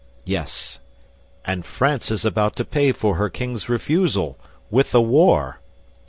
"Yes, and France is about to pay for her king's refusal with a war.